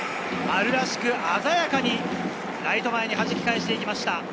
丸らしく鮮やかに、ライト前にはじき返していきました。